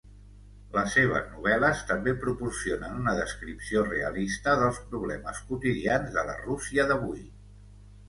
Les seves novel·les també proporcionen una descripció realista dels problemes quotidians de la Rússia d'avui.